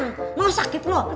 nggalau gak bikin perut lo kenyang